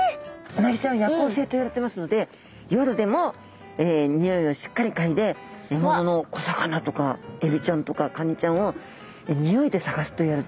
うなぎちゃんは夜行性といわれてますので夜でも匂いをしっかりかいでえものの小魚とかエビちゃんとかカニちゃんを匂いで探すといわれてるんですね。